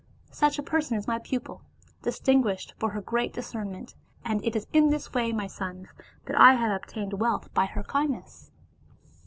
Such a person is my pupil, distinguished for her great discernment, and it is in this way, my sons, that I have obtained wealth by her kindness."